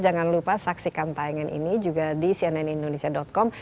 jangan lupa saksikan tayangan ini juga di cnnindonesia com